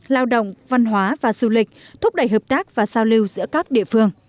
lao động văn hóa và du lịch thúc đẩy hợp tác và giao lưu giữa các địa phương